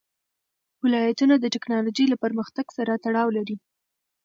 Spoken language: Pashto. ولایتونه د تکنالوژۍ له پرمختګ سره تړاو لري.